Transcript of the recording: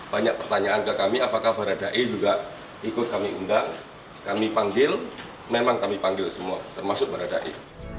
banyak pertanyaan ke kami apakah baradae juga ikut kami undang kami panggil memang kami panggil semua termasuk baradae